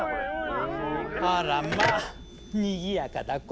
あらまあにぎやかだこと。